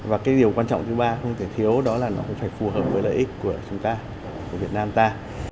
và cái điều quan trọng thứ ba không thể thiếu đó là nó cũng phải phù hợp với lợi ích của chúng ta của việt nam ta